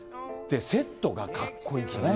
セットがかっこいい。